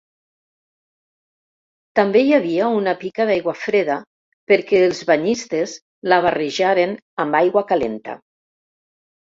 També hi havia una pica d'aigua freda perquè els banyistes la barrejaren amb aigua calenta.